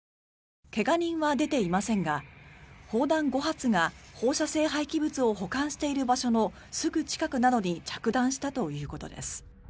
怪我人は出ていませんが砲弾５発が放射性廃棄物を保管している場所のすぐ近くなどに着弾したということです。